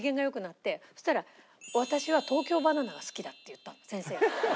そしたら「私は東京ばな奈が好きだ」って言ったの先生が。